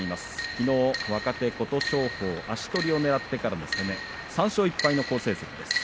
きのう若手、琴勝峰足取りをねらってからの攻め３勝１敗の好成績。